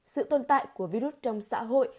sự tồn tại của virus trong xã hội